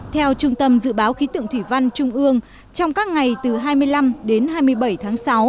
theo trung tâm dự báo khí tượng thủy văn trung ương trong các ngày từ hai mươi năm đến hai mươi bảy tháng sáu